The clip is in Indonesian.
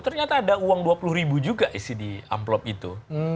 ternyata ada uang dua puluh ribu juga isi di amplop itu